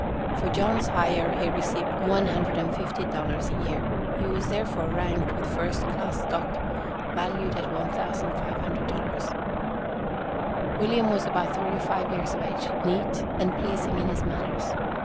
For John's hire he received one hundred and fifty dollars a year. He was, therefore, ranked with first class "stock," valued at $1,500. William was about thirty five years of age, neat, and pleasing in his manners.